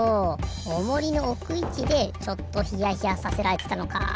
オモリのおくいちでちょっとヒヤヒヤさせられてたのか。